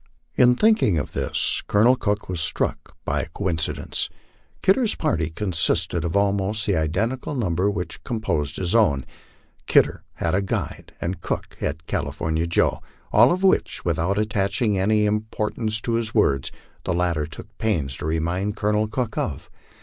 In thinking of this, Colonel Cook was struck by a coincidence. Kidder's party consisted of almost the identical number which composed his own. Kid der had a guide, and Cook had California Joe ; all of which, without attach ing any importance to his words, the latter took pains to remind Colonel Cook of.